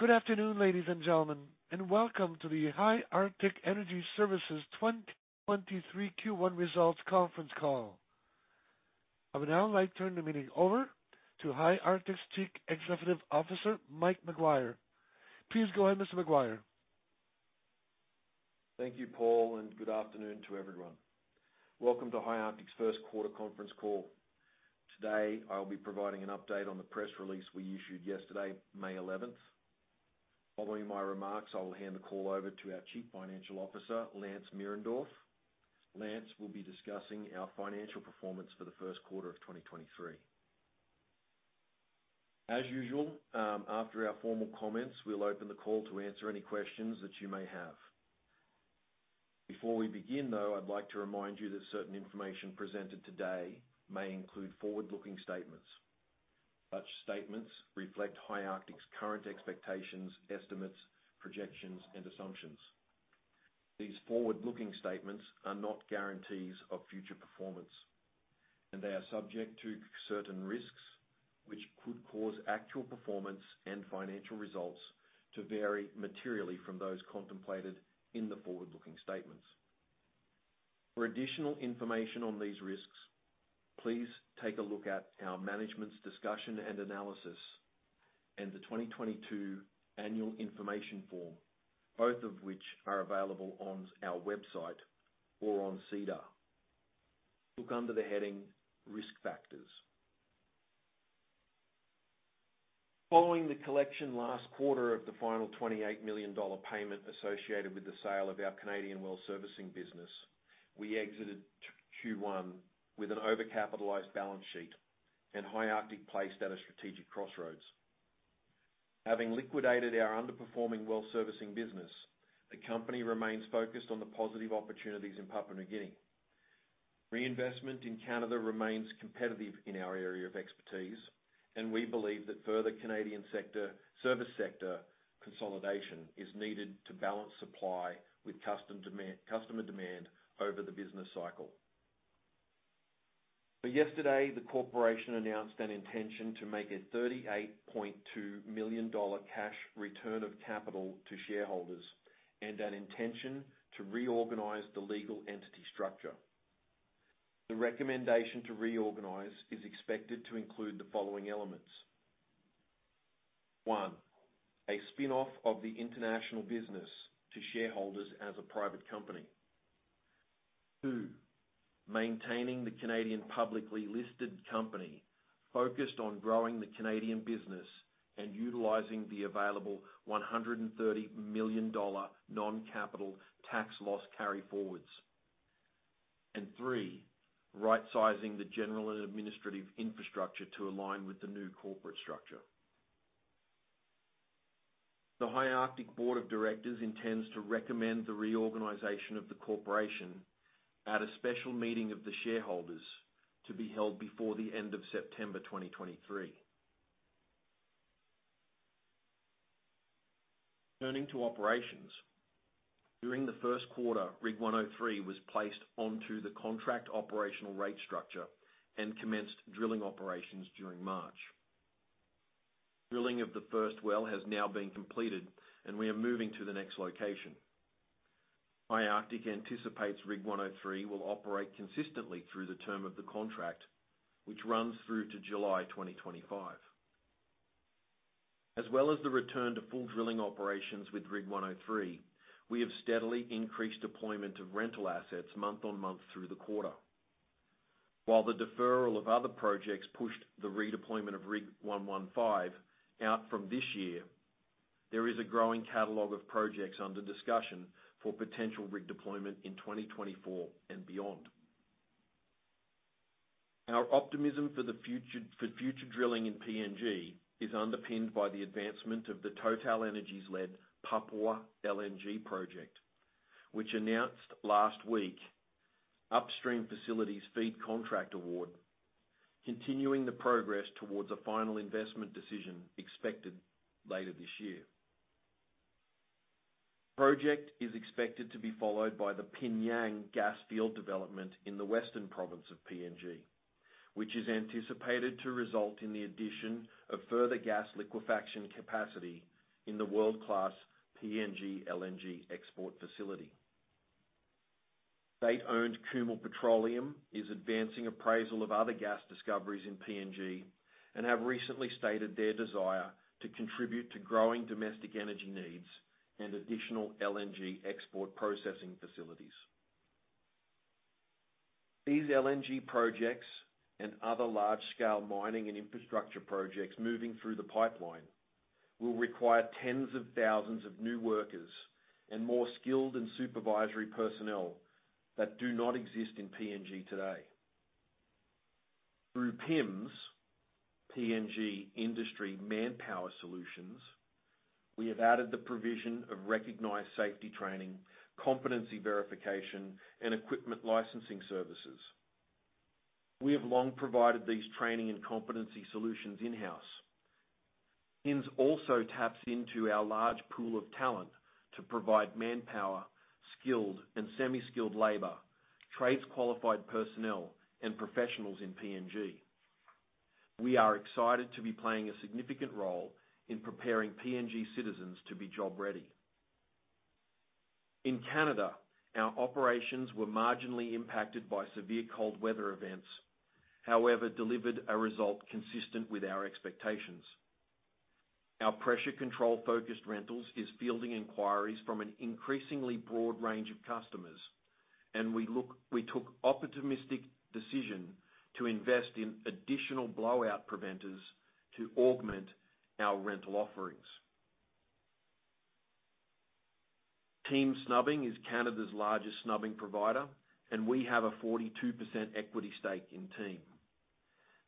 Good afternoon, ladies and gentlemen. Welcome to the High Arctic Energy Services 2023 Q1 Results Conference Call. I would now like turn the meeting over to High Arctic's Chief Executive Officer, Mike McGuire. Please go ahead, Mr. McGuire. Thank you, Paul. Good afternoon to everyone. Welcome to High Arctic's Q1 conference call. Today, I'll be providing an update on the press release we issued yesterday, May 11th. Following my remarks, I will hand the call over to our Chief Financial Officer, Lance Mierendorf. Lance will be discussing our financial performance for the Q1 of 2023. As usual, after our formal comments, we'll open the call to answer any questions that you may have. Before we begin, though, I'd like to remind you that certain information presented today may include forward-looking statements. Such statements reflect High Arctic's current expectations, estimates, projections, and assumptions. These forward-looking statements are not guarantees of future performance, and they are subject to certain risks which could cause actual performance and financial results to vary materially from those contemplated in the forward-looking statements. For additional information on these risks, please take a look at our management's discussion and analysis in the 2022 annual information form, both of which are available on our website or on SEDAR. Look under the heading Risk Factors. Following the collection last quarter of the final 28 million dollar payment associated with the sale of our Canadian well servicing business, we exited Q1 with an overcapitalized balance sheet and High Arctic placed at a strategic crossroads. Having liquidated our underperforming well servicing business, the company remains focused on the positive opportunities in Papua New Guinea. Reinvestment in Canada remains competitive in our area of expertise, and we believe that further Canadian service sector consolidation is needed to balance supply with customer demand over the business cycle. Yesterday, the corporation announced an intention to make a 38.2 million dollar cash return of capital to shareholders and an intention to reorganize the legal entity structure. The recommendation to reorganize is expected to include the following elements. One, a spin-off of the international business to shareholders as a private company. 2, maintaining the Canadian publicly listed company focused on growing the Canadian business and utilizing the available 130 million dollar non-capital tax loss carryforwards. Three, rightsizing the general and administrative infrastructure to align with the new corporate structure. The High Arctic board of directors intends to recommend the reorganization of the corporation at a special meeting of the shareholders to be held before the end of September 2023. Turning to operations. During the Q1, Rig 103 was placed onto the contract operational rate structure and commenced drilling operations during March. Drilling of the first well has now been completed, and we are moving to the next location. High Arctic anticipates Rig 103 will operate consistently through the term of the contract, which runs through to July 2025. As well as the return to full drilling operations with Rig 103, we have steadily increased deployment of rental assets month-on-month through the quarter. While the deferral of other projects pushed the redeployment of Rig 115 out from this year, there is a growing catalog of projects under discussion for potential rig deployment in 2024 and beyond. Our optimism for the future, for future drilling in PNG is underpinned by the advancement of the TotalEnergies-led Papua LNG project, which announced last week Upstream Facilities FEED contract award, continuing the progress towards a final investment decision expected later this year. Project is expected to be followed by the P'nyang gas field development in the western province of PNG, which is anticipated to result in the addition of further gas liquefaction capacity in the world-class PNG LNG export facility. State-owned Kumul Petroleum is advancing appraisal of other gas discoveries in PNG and have recently stated their desire to contribute to growing domestic energy needs and additional LNG export processing facilities. These LNG projects and other large-scale mining and infrastructure projects moving through the pipeline will require tens of thousands of new workers and more skilled and supervisory personnel that do not exist in PNG today. Through PIMS, PNG Industry Manpower Solutions, we have added the provision of recognized safety training, competency verification, and equipment licensing services. We have long provided these training and competency solutions in-house. PIMS also taps into our large pool of talent to provide manpower, skilled and semi-skilled laborTrades qualified personnel and professionals in PNG. We are excited to be playing a significant role in preparing PNG citizens to be job ready. In Canada, our operations were marginally impacted by severe cold weather events, however, delivered a result consistent with our expectations. Our pressure control-focused rentals is fielding inquiries from an increasingly broad range of customers, we took optimistic decision to invest in additional blowout preventers to augment our rental offerings. Team Snubbing is Canada's largest snubbing provider, and we have a 42% equity stake in Team.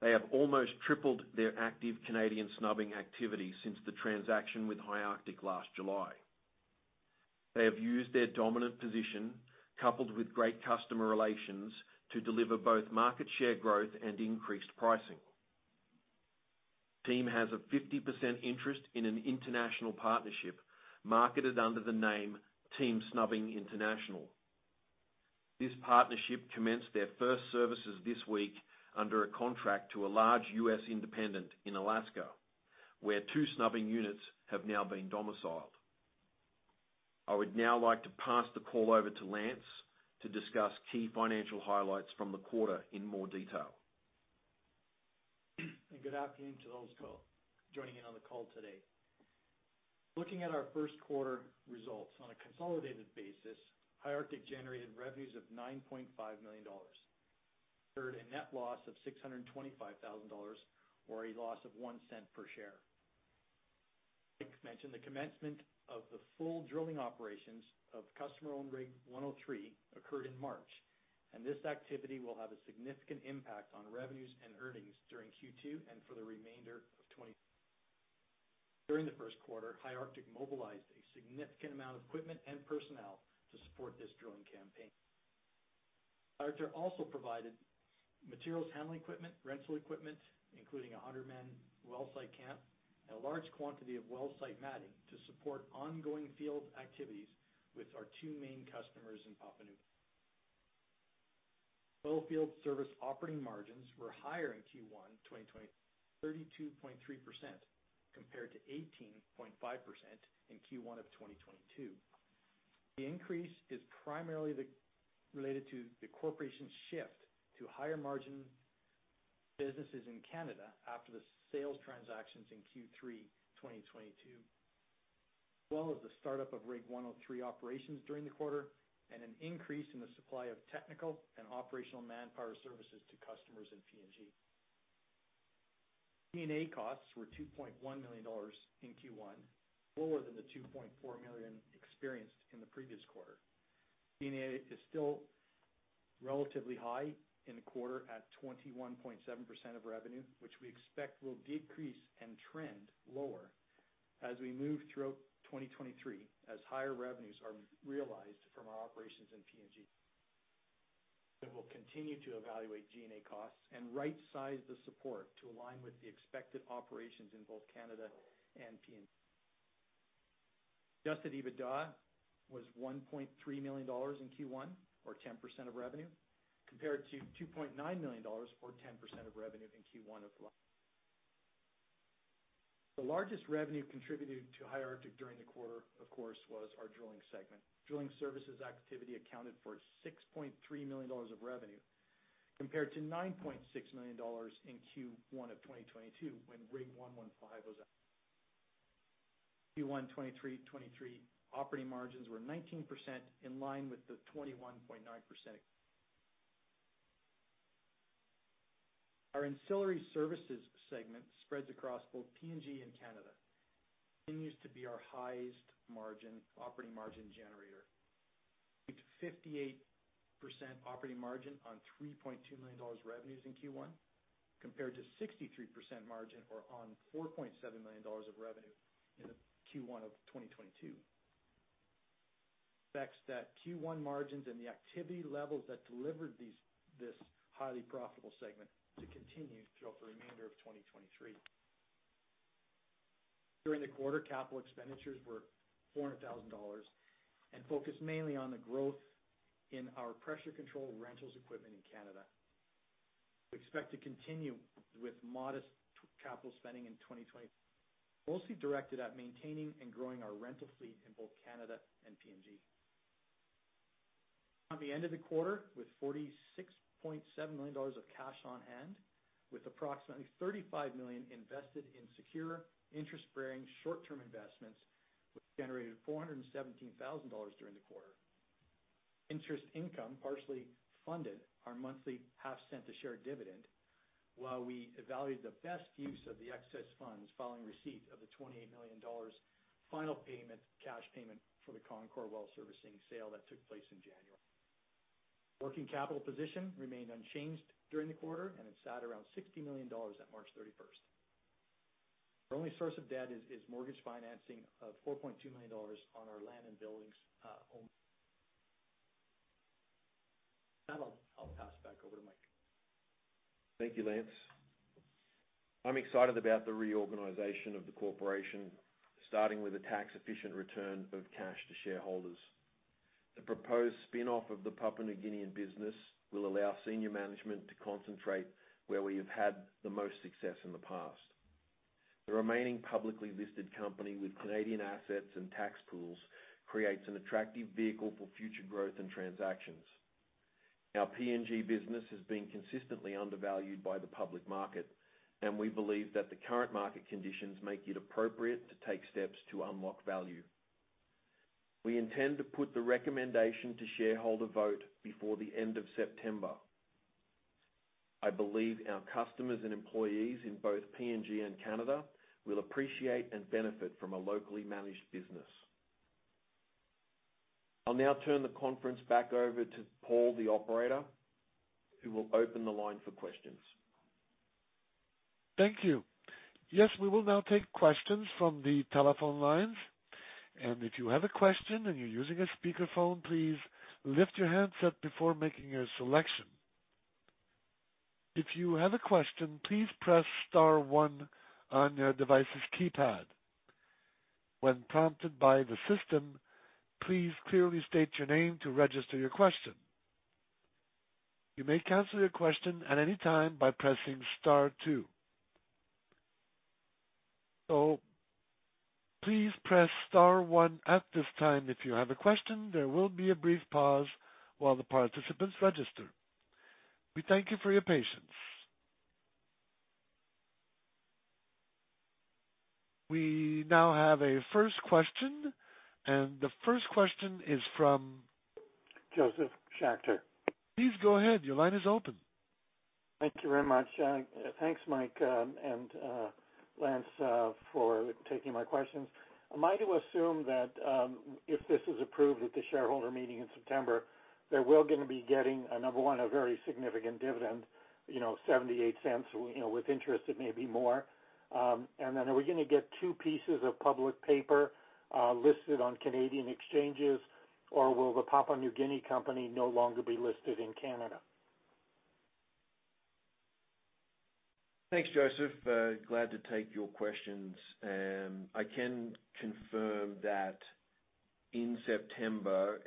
They have almost tripled their active Canadian snubbing activity since the transaction with High Arctic last July. They have used their dominant position, coupled with great customer relations, to deliver both market share growth and increased pricing. Team has a 50% interest in an international partnership marketed under the name Team Snubbing International. This partnership commenced their first services this week under a contract to a large U.S. independent in Alaska, where 2 snubbing units have now been domiciled. I would now like to pass the call over to Lance to discuss key financial highlights from the quarter in more detail. Good afternoon to those joining in on the call today. Looking at our Q1 results on a consolidated basis, High Arctic generated revenues of $9.5 million. Heard a net loss of $625,000 or a loss of $0.01 per share. Mentioned the commencement of the full drilling operations of customer-owned Rig 103 occurred in March, and this activity will have a significant impact on revenues and earnings during Q2 and for the remainder of 2020. During the Q1, High Arctic mobilized a significant amount of equipment and personnel to support this drilling campaign. High Arctic also provided materials handling equipment, rental equipment, including a 100-man well site camp and a large quantity of well site matting to support ongoing field activities with our 2 main customers in Papua New Guinea. Oilfield service operating margins were higher in Q1 2023, 32.3% compared to 18.5% in Q1 2022. The increase is primarily related to the corporation's shift to higher margin businesses in Canada after the sales transactions in Q3 2022. As the startup of Rig 103 operations during the quarter and an increase in the supply of technical and operational manpower services to customers in PNG. G&A costs were $2.1 million in Q1, lower than the $2.4 million experienced in the previous quarter. G&A is still relatively high in the quarter at 21.7% of revenue, which we expect will decrease and trend lower as we move throughout 2023, as higher revenues are realized from our operations in PNG. That will continue to evaluate G&A costs and right-size the support to align with the expected operations in both Canada and PNG. Adjusted EBITDA was 1.3 million dollars in Q1 or 10% of revenue, compared to 2.9 million dollars or 10% of revenue in Q1 of last. The largest revenue contributed to High Arctic during the quarter, of course, was our drilling segment. Drilling services activity accounted for 6.3 million dollars of revenue, compared to 9.6 million dollars in Q1 of 2022 when Rig 115 was out. Q1 2023 operating margins were 19% in line with the 21.9%. Our ancillary services segment spreads across both PNG and Canada. Continues to be our highest margin, operating margin generator. With 58% operating margin on 3.2 million revenues in Q1, compared to 63% margin or on 4.7 million dollars of revenue in the Q1 of 2022. Effects that Q1 margins and the activity levels that delivered this highly profitable segment to continue throughout the remainder of 2023. During the quarter, capital expenditures were 400,000 dollars and focused mainly on the growth in our pressure control rentals equipment in Canada. We expect to continue with modest capital spending in 2020, mostly directed at maintaining and growing our rental fleet in both Canada and PNG. On the end of the quarter, with CAD 46.7 million of cash on hand, with approximately CAD 35 million invested in secure interest-bearing short-term investments, which generated CAD 417,000 during the quarter. Interest income partially funded our monthly half cent a share dividend, while we evaluated the best use of the excess funds following receipt of the $28 million final payment, cash payment for the Concord Well Servicing sale that took place in January. Working capital position remained unchanged during the quarter, and it sat around $60 million at March 31st. Our only source of debt is mortgage financing of $4.2 million on our land and buildings, home. I'll pass back over to Mike. Thank you, Lance. I'm excited about the reorganization of the corporation, starting with a tax-efficient return of cash to shareholders. The proposed spin-off of the Papua New Guinean business will allow senior management to concentrate where we have had the most success in the past. The remaining publicly listed company with Canadian assets and tax pools creates an attractive vehicle for future growth and transactions. Our PNG business has been consistently undervalued by the public market, and we believe that the current market conditions make it appropriate to take steps to unlock value. We intend to put the recommendation to shareholder vote before the end of September. I believe our customers and employees in both PNG and Canada will appreciate and benefit from a locally managed business. I'll now turn the conference back over to Paul, the operator, who will open the line for questions. Thank you. Yes, we will now take questions from the telephone lines. If you have a question and you're using a speakerphone, please lift your handset before making your selection. If you have a question, please press star one on your device's keypad. When prompted by the system, please clearly state your name to register your question. You may cancel your question at any time by pressing star 2. Please press star one at this time if you have a question. There will be a brief pause while the participants register. We thank you for your patience. We now have a first question, and the first question is from Josef Schachter. Please go ahead. Your line is open. Thank you very much. Thanks, Mike, and Lance, for taking my questions. Am I to assume that, if this is approved at the shareholder meeting in September, that we're gonna be getting, number one, a very significant dividend, you know, 0.78, you know, with interest, it may be more. Then are we gonna get 2 pieces of public paper, listed on Canadian exchanges, or will the Papua New Guinea company no longer be listed in Canada? Thanks, Josef. Glad to take your questions. I can confirm that in September,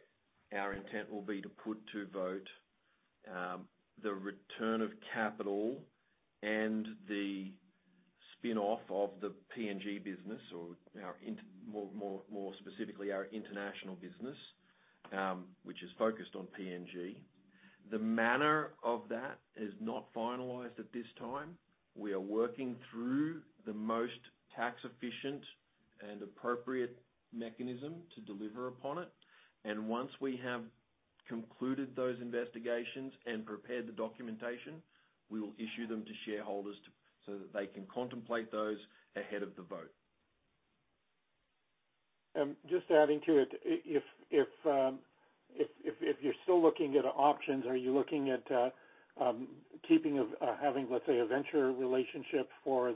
our intent will be to put to vote the return of capital and the spin-off of the PNG business or more specifically, our international business, which is focused on PNG. The manner of that is not finalized at this time. We are working through the most tax efficient and appropriate mechanism to deliver upon it. Once we have concluded those investigations and prepared the documentation, we will issue them to shareholders so that they can contemplate those ahead of the vote. Just adding to it. If you're still looking at options, are you looking at keeping of having, let's say, a venture relationship for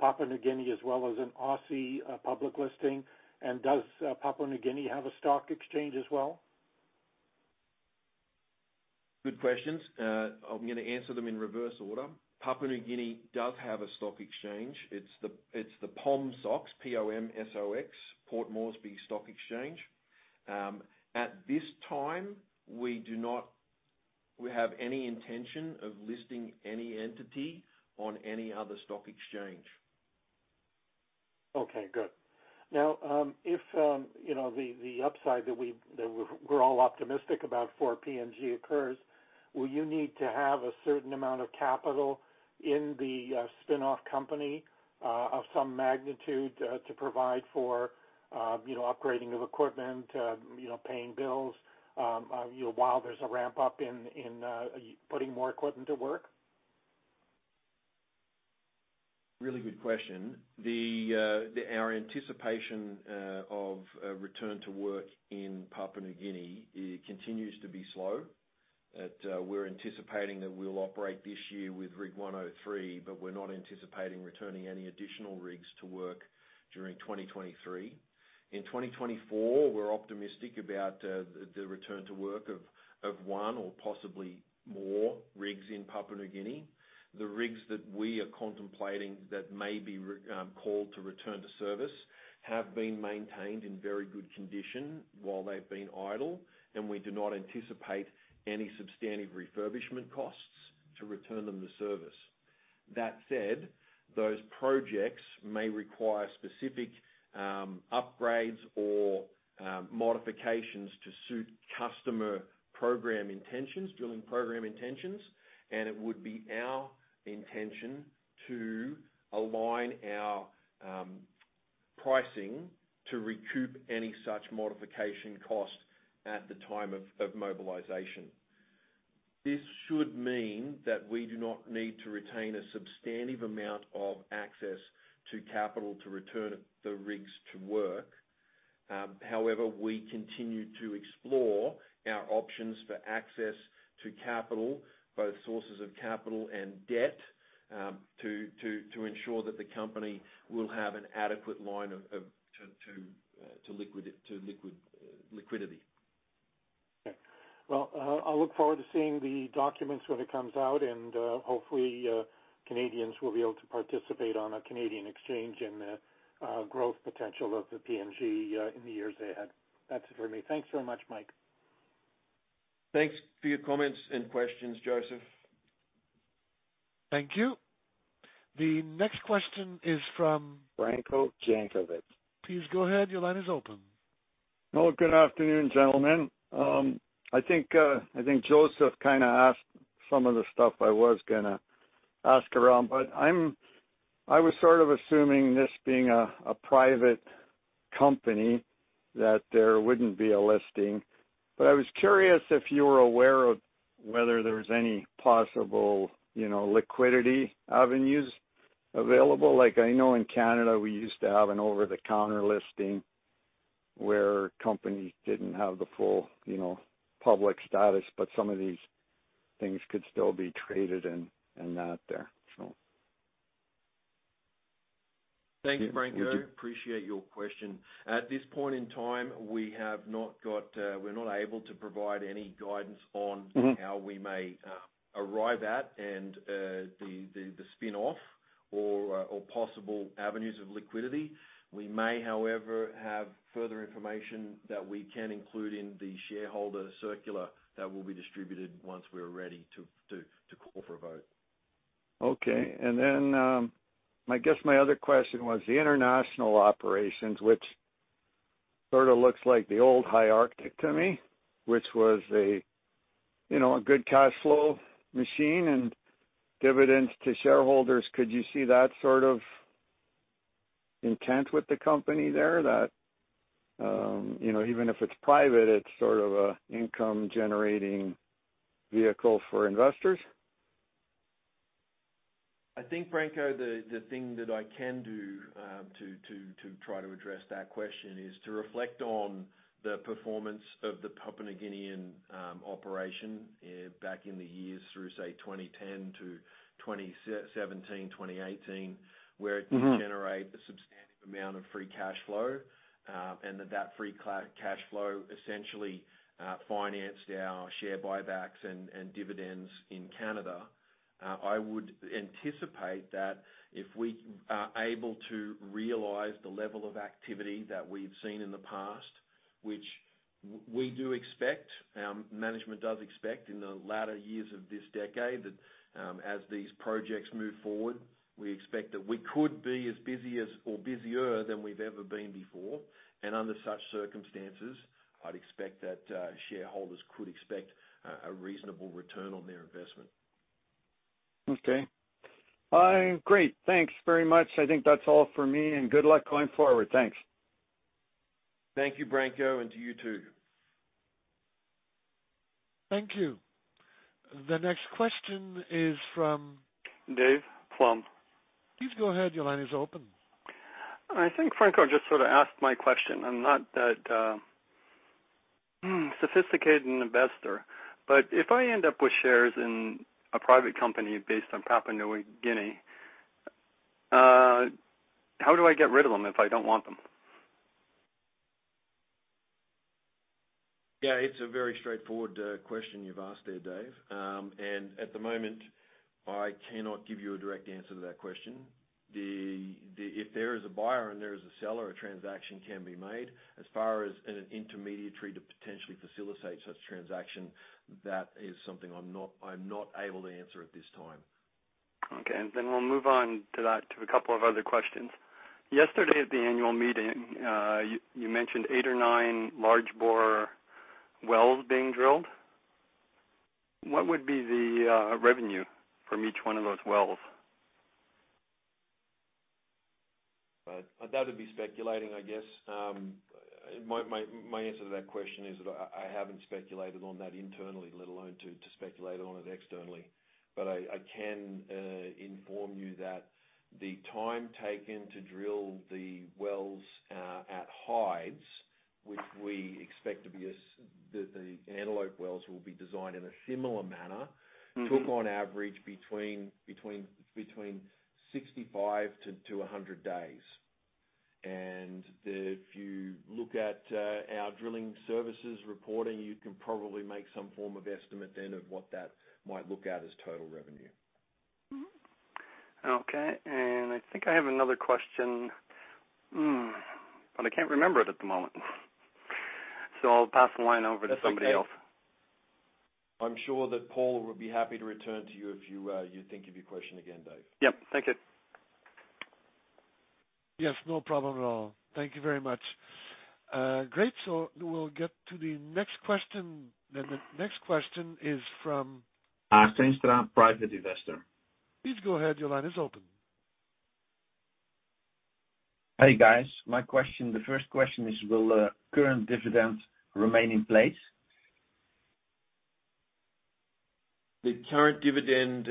Papua New Guinea as well as an Aussie public listing? Does Papua New Guinea have a stock exchange as well? Good questions. I'm gonna answer them in reverse order. Papua New Guinea does have a stock exchange. It's the PomSOX, P-O-M-S-O-X, Port Moresby Stock Exchange. At this time, we do not have any intention of listing any entity on any other stock exchange. Okay, good. Now, if, you know, the upside that we're all optimistic about for PNG occurs, will you need to have a certain amount of capital in the spin-off company, of some magnitude, to provide for, you know, upgrading of equipment, you know, paying bills, you know, while there's a ramp-up in putting more equipment to work? Really good question. Our anticipation of a return to work in Papua New Guinea, it continues to be slow. We're anticipating that we'll operate this year with Rig 103, but we're not anticipating returning any additional rigs to work during 2023. In 2024, we're optimistic about the return to work of one or possibly more rigs in Papua New Guinea. The rigs that we are contemplating that may be called to return to service have been maintained in very good condition while they've been idle, and we do not anticipate any substantive refurbishment costs to return them to service. That said, those projects may require specific upgrades or modifications to suit customer program intentions, drilling program intentions, and it would be our intention to align our pricing to recoup any such modification cost at the time of mobilization. This should mean that we do not need to retain a substantive amount of access to capital to return the rigs to work. However, we continue to explore our options for access to capital, both sources of capital and debt, to ensure that the company will have an adequate line of liquidity. Okay. Well, I look forward to seeing the documents when it comes out and, hopefully, Canadians will be able to participate on a Canadian exchange and, growth potential of the PNG, in the years ahead. That's it for me. Thanks so much, Mike. Thanks for your comments and questions, Joseph. Thank you. The next question is from- Branko Jankovic. Please go ahead. Your line is open. Good afternoon, gentlemen. I think, I think Josef kinda asked some of the stuff I was gonna ask around. I was sort of assuming this being a private company that there wouldn't be a listing. I was curious if you were aware of whether there was any possible, you know, liquidity avenues available. Like I know in Canada, we used to have an over-the-counter listing where companies didn't have the full, you know, public status, some of these things could still be traded and not there. Thank you, Branko. Appreciate your question. At this point in time, we have not got, we're not able to provide any guidance. Mm-hmm... how we may arrive at and the spinoff or possible avenues of liquidity. We may, however, have further information that we can include in the shareholder circular that will be distributed once we're ready to call for a vote. Okay. Then, I guess my other question was the international operations, which sort of looks like the old High Arctic to me, which was, you know, a good cash flow machine and dividends to shareholders. Could you see that sort of intent with the company there that, you know, even if it's private, it's sort of a income generating vehicle for investors? I think, Branko, the thing that I can do to try to address that question is to reflect on the performance of the Papua New Guinean operation back in the years through, say, 2010 to 2017, 2018. Mm-hmm... generate a substantive amount of free cash flow, that free cash flow essentially financed our share buybacks and dividends in Canada. I would anticipate that if we are able to realize the level of activity that we've seen in the past, which we do expect, management does expect in the latter years of this decade that, as these projects move forward, we expect that we could be as busy as or busier than we've ever been before. Under such circumstances, I'd expect that shareholders could expect a reasonable return on their investment. Okay. Great. Thanks very much. I think that's all for me. Good luck going forward. Thanks. Thank you, Branko, and to you too. Thank you. The next question is from- Dave Plumb. Please go ahead. Your line is open. I think Branko just sort of asked my question. I'm not that sophisticated investor, but if I end up with shares in a private company based on Papua New Guinea, how do I get rid of them if I don't want them? Yeah, it's a very straightforward question you've asked there, Dave. At the moment, I cannot give you a direct answer to that question. If there is a buyer and there is a seller, a transaction can be made. As far as an intermediary to potentially facilitate such transaction, that is something I'm not able to answer at this time. Okay. Then we'll move on to that, to a couple of other questions. Yesterday at the annual meeting, you mentioned 8 or 9 large bore wells being drilled. What would be the revenue from each one of those wells? That would be speculating, I guess. My answer to that question is that I haven't speculated on that internally, let alone to speculate on it externally. I can inform you that the time taken to drill the wells at Hides, which we expect to be The Antelope wells will be designed in a similar manner. Mm-hmm. Took on average between 65 to 100 days. If you look at our drilling services reporting, you can probably make some form of estimate then of what that might look at as total revenue. Mm-hmm. Okay. I think I have another question, but I can't remember it at the moment. I'll pass the line over to somebody else. That's okay. I'm sure that Paul will be happy to return to you if you think of your question again, Dave. Yep. Thank you. Yes, no problem at all. Thank you very much. Great. We'll get to the next question then. The next question is from- Arsen Stram, Private Investor. Please go ahead. Your line is open. Hey, guys. My question, the first question is, will the current dividend remain in place? The current dividend,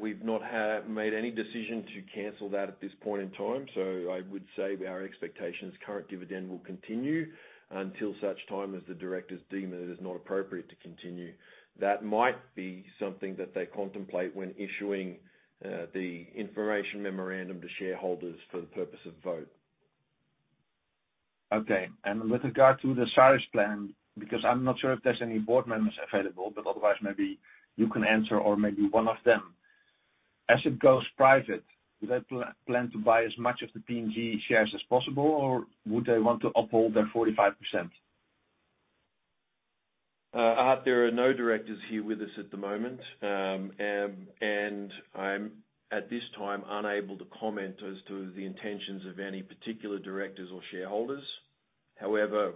we've not had made any decision to cancel that at this point in time. I would say our expectation is current dividend will continue until such time as the directors deem it is not appropriate to continue. That might be something that they contemplate when issuing the information memorandum to shareholders for the purpose of vote. Okay. With regard to the Cyrus plan, because I'm not sure if there's any board members available, otherwise maybe you can answer or maybe one of them. As it goes private, do they plan to buy as much of the PNG shares as possible, or would they want to uphold their 45%? There are no directors here with us at the moment. I'm, at this time, unable to comment as to the intentions of any particular directors or shareholders. However,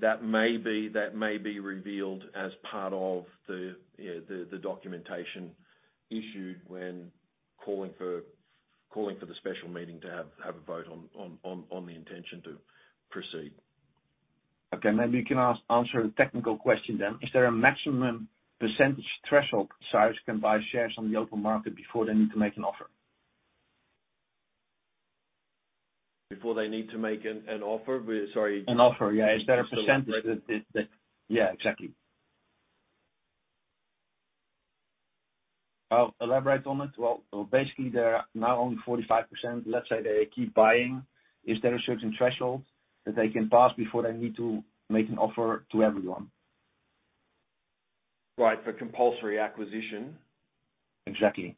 that may be revealed as part of the documentation issued when calling for the special meeting to have a vote on the intention to proceed. Okay, maybe you can answer a technical question then. Is there a maximum percentage threshold Cyrus can buy shares on the open market before they need to make an offer? Before they need to make an offer? Sorry. An offer, yeah. Is there a percentage that... Yeah, exactly. I'll elaborate on it. Well, basically, they're now only 45%. Let's say they keep buying. Is there a certain threshold that they can pass before they need to make an offer to everyone? Right. For compulsory acquisition. Exactly.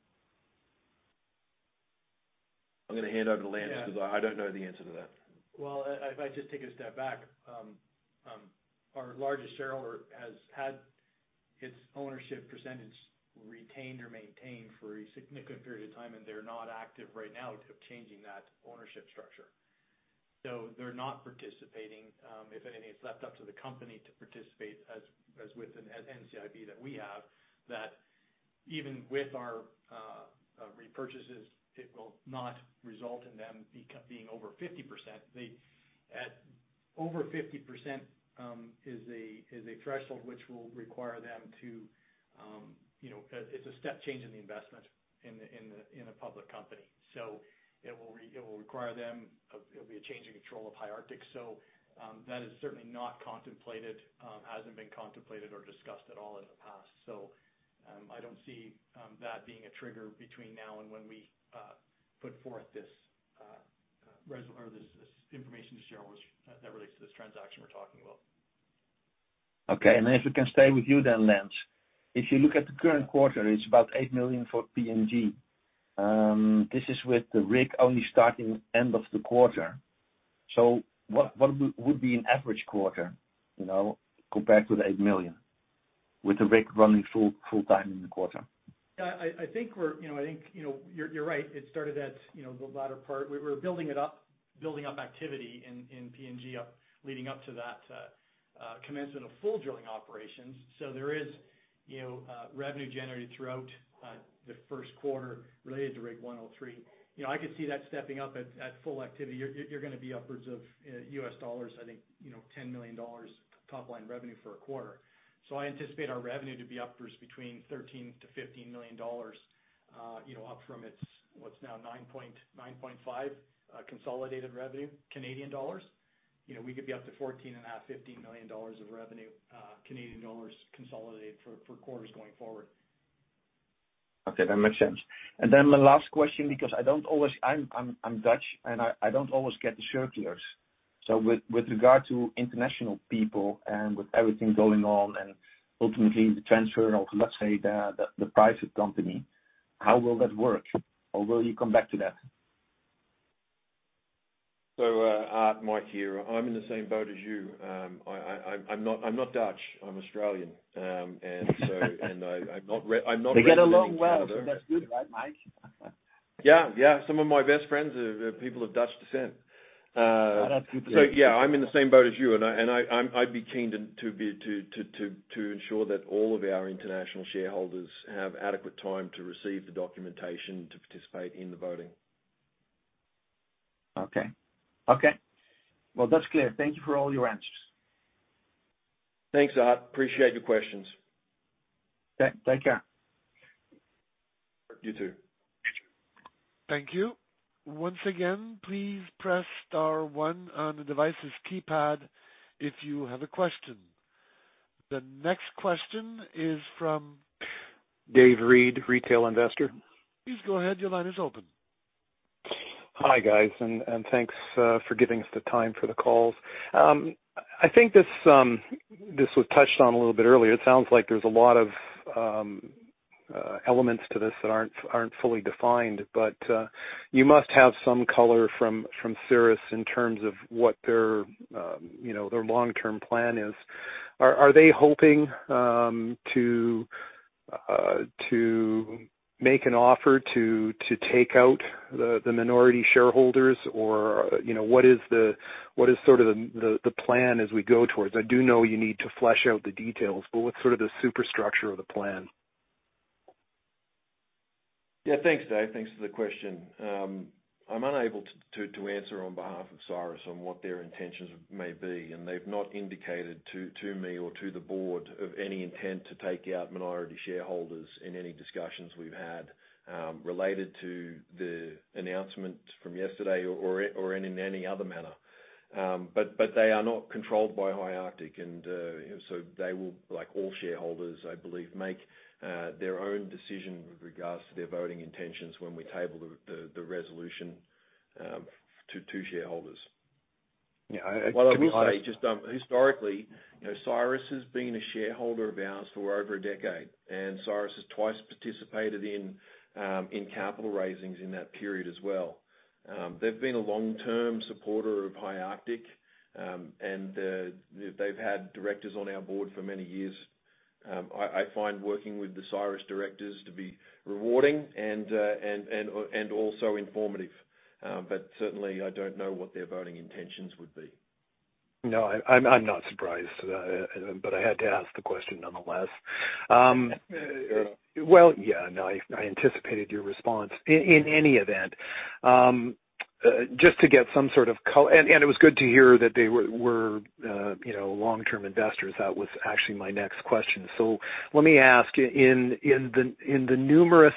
I'm gonna hand over to Lance. Yeah. I don't know the answer to that. If I just take a step back, our largest shareholder has had its ownership percentage retained or maintained for a significant period of time, they're not active right now to changing that ownership structure. They're not participating. If anything, it's left up to the company to participate as with an NCIB that we have, that even with our repurchases, it will not result in them being over 50%. At over 50%, is a threshold which will require them to, you know. It's a step change in the investment in a public company. It will require them, it'll be a change in control of High Arctic. That is certainly not contemplated, hasn't been contemplated or discussed at all in the past. I don't see that being a trigger between now and when we put forth this information to shareholders that relates to this transaction we're talking about. Okay. If we can stay with you, Lance. If you look at the current quarter, it's about 8 million for PNG. This is with the rig only starting end of the quarter. What would be an average quarter, you know, compared to the 8 million with the rig running full time in the quarter? I think we're, you know, I think, you know, you're right. It started at, you know, the latter part. We're building up activity in PNG up, leading up to that commencement of full drilling operations. There is, you know, revenue generated throughout the Q1 related to Rig 103. You know, I could see that stepping up at full activity. You're gonna be upwards of US dollars, I think, you know, $10 million top-line revenue for a quarter. I anticipate our revenue to be upwards between 13 million-15 million dollars, you know, up from its what's now 9.5 million consolidated revenue, Canadian dollars. You know, we could be up to 14.5 million, 15 million dollars of revenue, Canadian dollars consolidated for quarters going forward. Okay, that makes sense. My last question, because I don't always... I'm Dutch, and I don't always get the circulars. With regard to international people and with everything going on and ultimately the transfer of, let's say the private company, how will that work? Will you come back to that? Mike here. I'm in the same boat as you. I'm not Dutch. I'm Australian. I'm not regularly in Canada. We get along well, so that's good, right, Mike? Yeah, yeah. Some of my best friends are people of Dutch descent. Oh, that's good to hear. Yeah, I'm in the same boat as you, and I'd be keen to ensure that all of our international shareholders have adequate time to receive the documentation to participate in the voting. Okay. Well, that's clear. Thank you for all your answers. Thanks. Appreciate your questions. Okay. Take care. You too. Thank you. Once again, please press star one on the device's keypad if you have a question. The next question is from. Dave Reed, Retail Investor. Please go ahead. Your line is open. Hi, guys, and thanks for giving us the time for the calls. I think this was touched on a little bit earlier. It sounds like there's a lot of elements to this that aren't fully defined, but you must have some color from Cyrus in terms of what their, you know, their long-term plan is. Are they hoping to make an offer to take out the minority shareholders? You know, what is the plan as we go towards? I do know you need to flesh out the details, but what's sort of the superstructure of the plan? Yeah. Thanks, Dave. Thanks for the question. I'm unable to answer on behalf of Cyrus on what their intentions may be, and they've not indicated to me or to the board of any intent to take out minority shareholders in any discussions we've had related to the announcement from yesterday or in any other manner. They are not controlled by High Arctic and they will, like all shareholders, I believe, make their own decision with regards to their voting intentions when we table the resolution to shareholders. Yeah. Well, let me say just historically, you know, Cyrus has been a shareholder of ours for over a decade, and Cyrus has twice participated in capital raisings in that period as well. They've been a long-term supporter of High Arctic, and they've had directors on our board for many years. I find working with the Cyrus directors to be rewarding and also informative. Certainly, I don't know what their voting intentions would be. No, I'm not surprised, but I had to ask the question nonetheless. Well, yeah, no, I anticipated your response. In any event, it was good to hear that they were, you know, long-term investors. That was actually my next question. Let me ask, in the numerous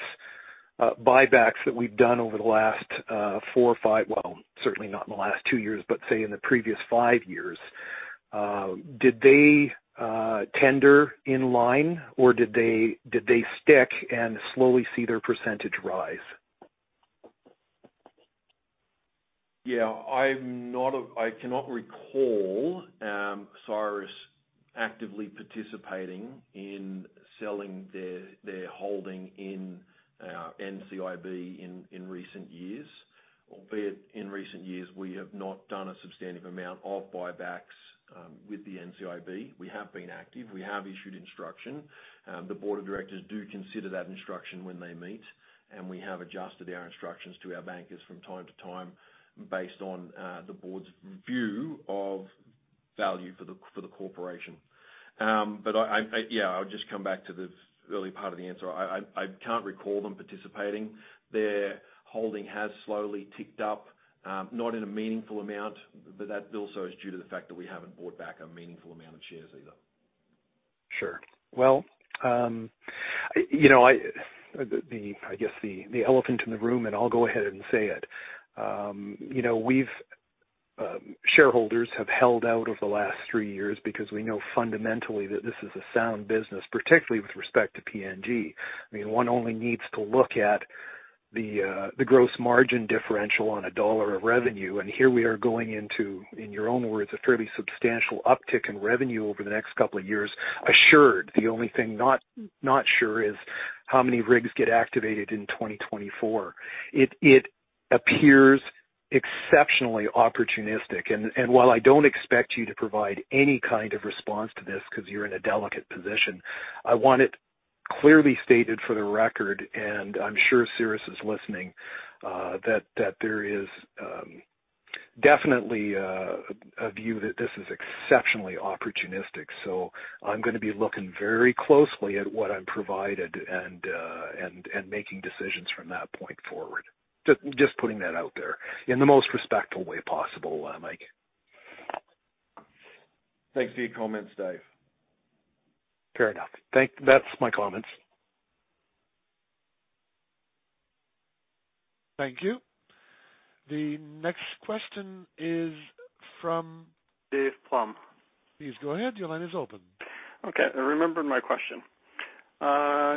buybacks that we've done over the last 4 or five. Well, certainly not in the last 2 years, but say in the previous five years, did they tender in line, or did they stick and slowly see their percentage rise? Yeah. I'm not I cannot recall Cyrus actively participating in selling their holding in NCIB in recent years, albeit in recent years, we have not done a substantive amount of buybacks with the NCIB. We have been active. We have issued instruction. The board of directors do consider that instruction when they meet, and we have adjusted our instructions to our bankers from time to time based on the board's view of value for the corporation. I, yeah, I would just come back to the early part of the answer. I can't recall them participating. Their holding has slowly ticked up, not in a meaningful amount, that also is due to the fact that we haven't bought back a meaningful amount of shares either. Sure. Well, you know, I, the, I guess the elephant in the room, and I'll go ahead and say it, you know, we've, shareholders have held out over the last three years because we know fundamentally that this is a sound business, particularly with respect to PNG. I mean, one only needs to look at the gross margin differential on a dollar of revenue, and here we are going into, in your own words, a fairly substantial uptick in revenue over the next couple of years, assured. The only thing not sure is how many rigs get activated in 2024. It, it appears exceptionally opportunistic. While I don't expect you to provide any kind of response to this, because you're in a delicate position, I want it clearly stated for the record, and I'm sure Cyrus is listening, that there is definitely a view that this is exceptionally opportunistic. I'm gonna be looking very closely at what I'm provided and making decisions from that point forward. Just putting that out there in the most respectful way possible, Mike. Thanks for your comments, Dave. Fair enough. That's my comments. Thank you. The next question is from- Dave Plumb. Please go ahead. Your line is open. Okay. I remembered my question.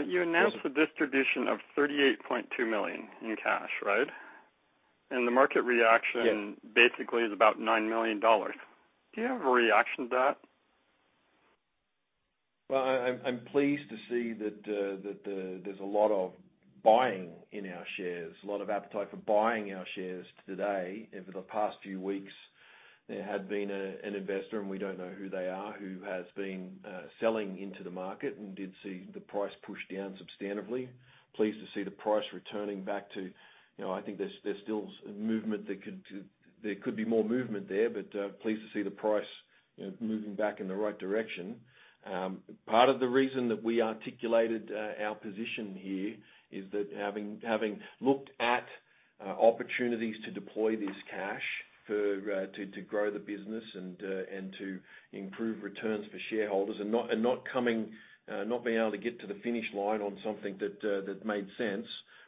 You announced a distribution of 38.2 million in cash, right? The market reaction. Yes. basically is about 9 million dollars. Do you have a reaction to that? Well, I'm pleased to see that there's a lot of buying in our shares, a lot of appetite for buying our shares today. Over the past few weeks, there had been an investor, and we don't know who they are, who has been selling into the market and did see the price push down substantively. Pleased to see the price returning back to, you know, I think there's still movement that there could be more movement there, but pleased to see the price, you know, moving back in the right direction. Part of the reason that we articulated our position here is that having looked at opportunities to deploy this cash for to grow the business and to improve returns for shareholders and not coming not being able to get to the finish line on something that made sense,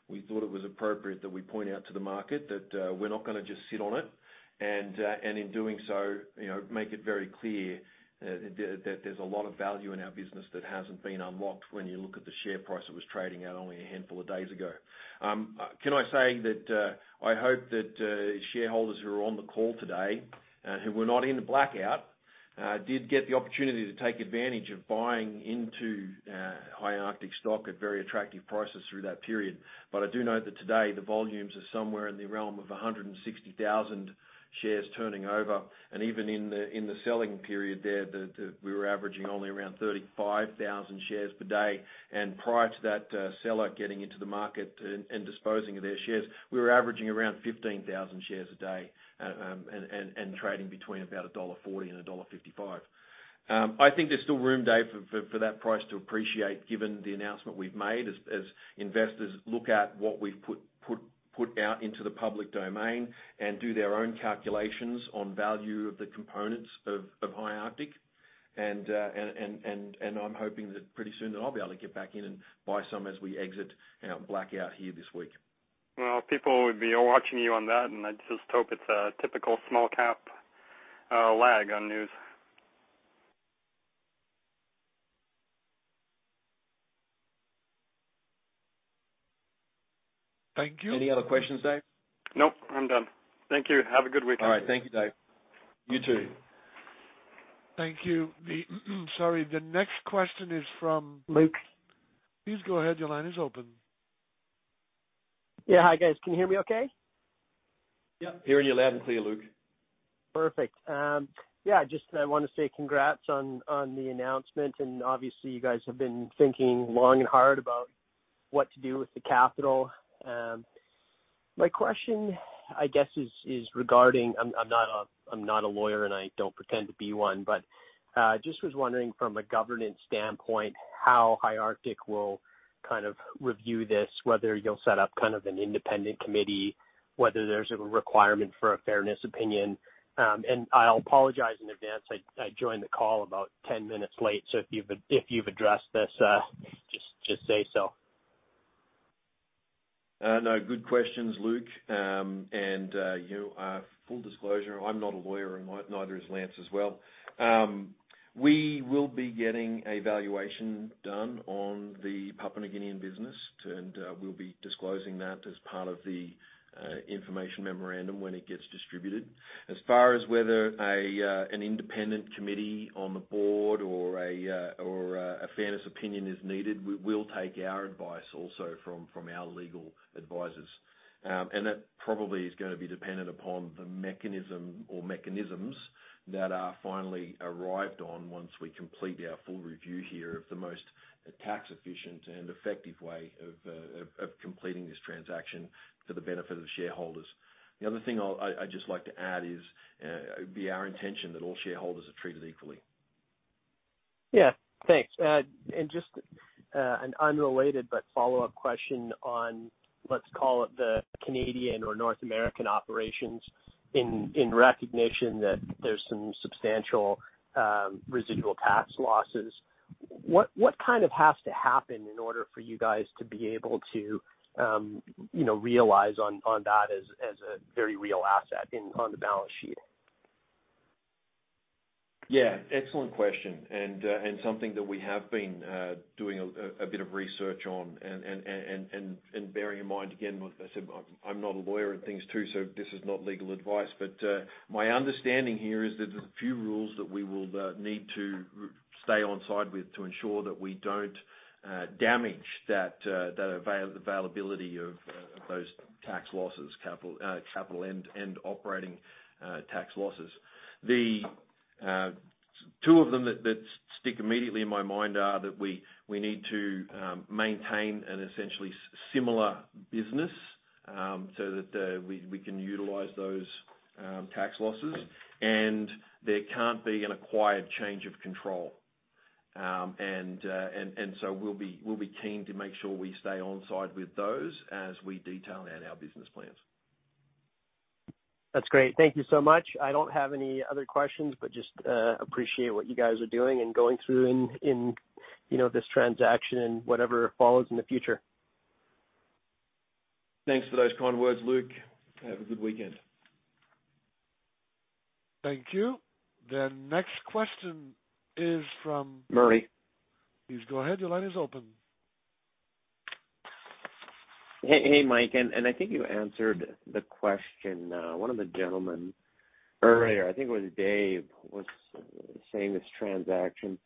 we thought it was appropriate that we point out to the market that we're not gonna just sit on it, and in doing so, you know, make it very clear that there's a lot of value in our business that hasn't been unlocked when you look at the share price that was trading at only a handful of days ago. Can I say that I hope that shareholders who are on the call today, who were not in the blackout, did get the opportunity to take advantage of buying into High Arctic stock at very attractive prices through that period. I do know that today the volumes are somewhere in the realm of 160,000 shares turning over. Even in the selling period there, we were averaging only around 35,000 shares per day. Prior to that, seller getting into the market and disposing of their shares, we were averaging around 15,000 shares a day, and trading between about dollar 1.40 and dollar 1.55. I think there's still room, Dave, for that price to appreciate given the announcement we've made as investors look at what we've put out into the public domain and do their own calculations on value of the components of High Arctic. I'm hoping that pretty soon that I'll be able to get back in and buy some as we exit our blackout here this week. Well, people would be watching you on that, and I just hope it's a typical small cap, lag on news. Thank you. Any other questions, Dave? Nope, I'm done. Thank you. Have a good weekend. All right. Thank you, Dave. You too. Thank you. The next question is from- Luke. Please go ahead. Your line is open. Yeah. Hi, guys. Can you hear me okay? Yeah. Hearing you loud and clear, Luke. Perfect. Yeah, just I wanna say congrats on the announcement. Obviously you guys have been thinking long and hard about what to do with the capital. My question, I guess is regarding. I'm not a lawyer and I don't pretend to be one, but just was wondering from a governance standpoint, how High Arctic will kind of review this, whether you'll set up kind of an independent committee, whether there's a requirement for a fairness opinion. I'll apologize in advance. I joined the call about 10 minutes late, so if you've addressed this, just say so. No. Good questions, Luke. You know, full disclosure, I'm not a lawyer and neither is Lance as well. We will be getting a valuation done on the Papua New Guinean business and we'll be disclosing that as part of the information memorandum when it gets distributed. As far as whether an independent committee on the board or a fairness opinion is needed, we will take our advice also from our legal advisors. That probably is gonna be dependent upon the mechanism or mechanisms that are finally arrived on once we complete our full review here of the most tax-efficient and effective way of completing this transaction for the benefit of the shareholders. I just like to add is, it'd be our intention that all shareholders are treated equally. Yeah. Thanks. Just an unrelated but follow-up question on, let's call it the Canadian or North American operations in recognition that there's some substantial residual tax losses. What kind of has to happen in order for you guys to be able to, you know, realize on that as a very real asset in, on the balance sheet? Yeah, excellent question. Something that we have been doing a bit of research on. Bearing in mind, again, as I said, I'm not a lawyer and things too, so this is not legal advice. My understanding here is that there's a few rules that we will need to stay on side with to ensure that we don't damage that that availability of those tax losses capital and operating tax losses. The 2 of them that stick immediately in my mind are that we need to maintain an essentially similar business so that we can utilize those tax losses, and there can't be an acquired change of control. We'll be keen to make sure we stay on side with those as we detail out our business plans. That's great. Thank you so much. I don't have any other questions, but just appreciate what you guys are doing and going through in, you know, this transaction and whatever follows in the future. Thanks for those kind words, Luke. Have a good weekend. Thank you. The next question is from- Murray. Please go ahead. Your line is open. Hey, Mike. I think you answered the question. One of the gentlemen earlier, I think it was Dave, was saying this transaction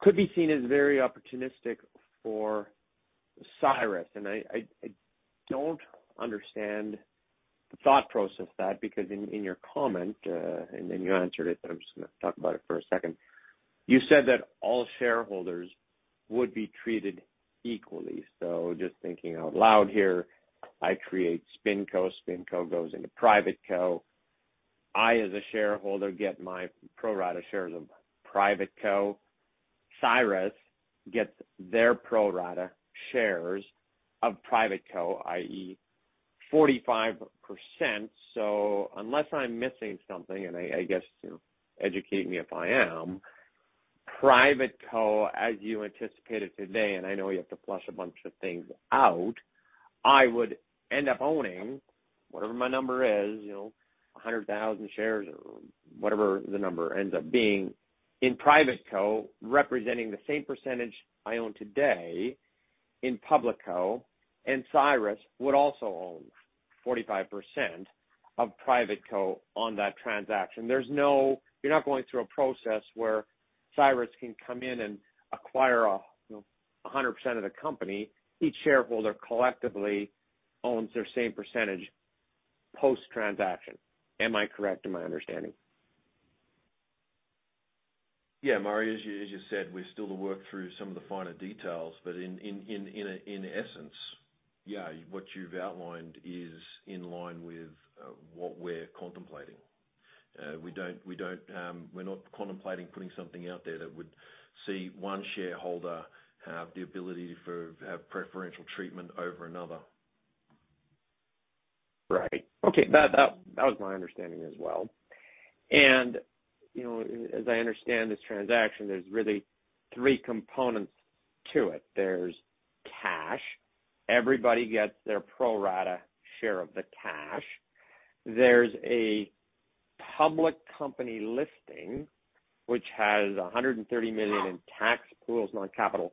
could be seen as very opportunistic for Cyrus. I don't understand the thought process that because in your comment, and then you answered it, but I'm just gonna talk about it for a second. You said that all shareholders would be treated equally. Just thinking out loud here, I create SpinCo. SpinCo goes into Private Co. I as a shareholder get my pro rata shares of Private Co. Cyrus gets their pro rata shares of Private Co, i.e, 45%. Unless I'm missing something and I guess, you know, educate me if I am, Private Co, as you anticipated today, and I know you have to flush a bunch of things out, I would end up owning whatever my number is, you know, 100,000 shares or whatever the number ends up being in Private Co, representing the same percentage I own today in Public Co, and Cyrus would also own 45% of Private Co on that transaction. There's no. You're not going through a process where Cyrus can come in and acquire, you know, 100% of the company. Each shareholder collectively owns their same percentage post-transaction. Am I correct in my understanding? Yeah, Murray, as you said, we're still to work through some of the finer details. In essence, yeah, what you've outlined is in line with what we're contemplating. We're not contemplating putting something out there that would see one shareholder have preferential treatment over another. Right. Okay. That was my understanding as well. You know, as I understand this transaction, there's really 3 components to it. There's cash. Everybody gets their pro rata share of the cash. There's a Public company listing, which has 130 million in tax pools, non-capital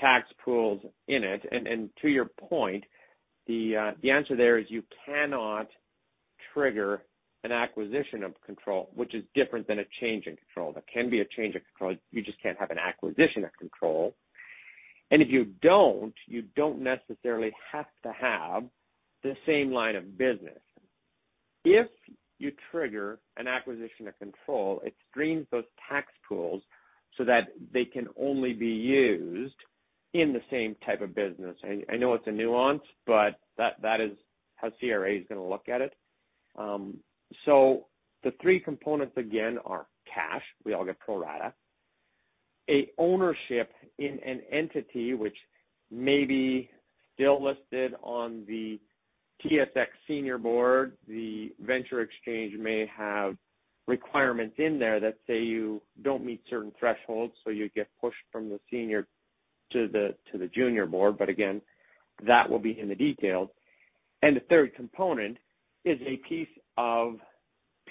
tax pools in it. To your point, the answer there is you cannot trigger an acquisition of control, which is different than a change in control. There can be a change of control. You just can't have an acquisition of control. If you don't, you don't necessarily have to have the same line of business. If you trigger an acquisition of control, it streams those tax pools so that they can only be used in the same type of business. I know it's a nuance, but that is how CRA is gonna look at it. The 3 components again are cash. We all get pro rata. A ownership in an entity which may be still listed on the TSX senior board. The venture exchange may have requirements in there that say you don't meet certain thresholds, so you get pushed from the senior to the junior board. Again, that will be in the details. The third component is a piece of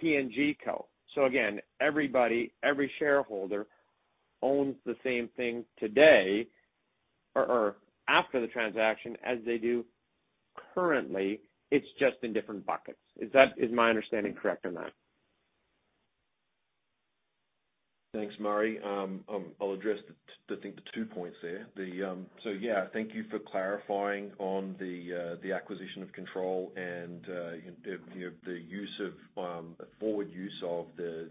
PNG Co. Again, everybody, every shareholder owns the same thing today or after the transaction as they do currently. It's just in different buckets. Is my understanding correct or not? Thanks, Murray. I'll address the, I think the 2 points there. Yeah, thank you for clarifying on the acquisition of control and, you know, the use of forward use of the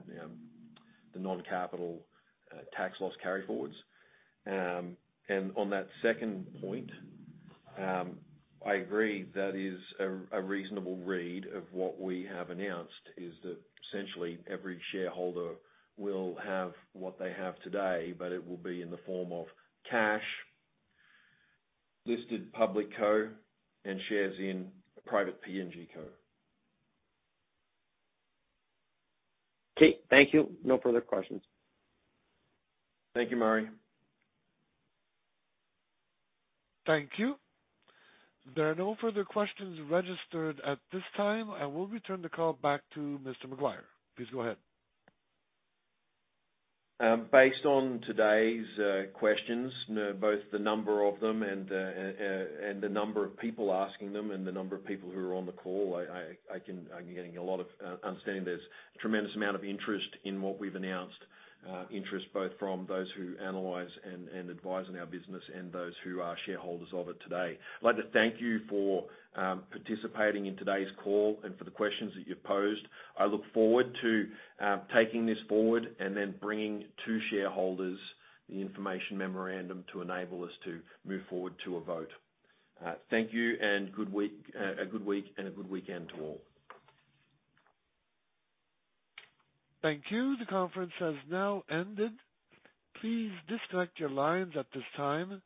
non-capital tax loss carry forwards. On that second point, I agree that is a reasonable read of what we have announced is that essentially every shareholder will have what they have today, but it will be in the form of cash, listed public co, and shares in a private PNG co. Okay. Thank you. No further questions. Thank you, Murray. Thank you. There are no further questions registered at this time. I will return the call back to Mr. Maguire. Please go ahead. Based on today's questions, both the number of them and the number of people asking them and the number of people who are on the call, I'm getting a lot of understanding there's tremendous amount of interest in what we've announced. Interest both from those who analyze and advise on our business and those who are shareholders of it today. I'd like to thank you for participating in today's call and for the questions that you've posed. I look forward to taking this forward and then bringing 2 shareholders the information memorandum to enable us to move forward to a vote. Thank you and good week... a good week and a good weekend to all. Thank you. The conference has now ended. Please disconnect your lines at this time,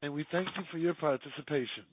and we thank you for your participation.